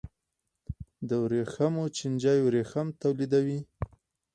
د ورېښمو چینجی ورېښم تولیدوي